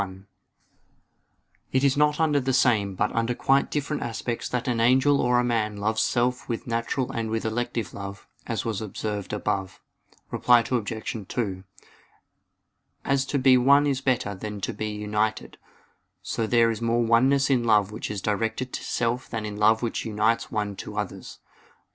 1: It is not under the same but under quite different aspects that an angel or a man loves self with natural and with elective love, as was observed above. Reply Obj. 2: As to be one is better than to be united, so there is more oneness in love which is directed to self than in love which unites one to others.